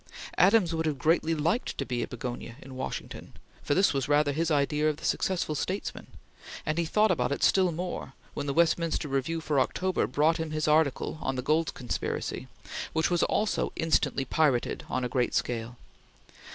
Adams would have greatly liked to be a begonia in Washington, for this was rather his ideal of the successful statesman, and he thought about it still more when the Westminster Review for October brought him his article on the Gold Conspiracy, which was also instantly pirated on a great scale.